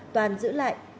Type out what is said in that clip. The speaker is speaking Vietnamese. toàn giữ lại